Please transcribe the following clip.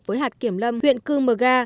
với hạt kiểm lâm huyện cương mờ ga